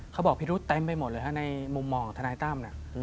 เขาบอกพิรุฑเต็มไปหมดเลยในมุมมองของทนายตั้ม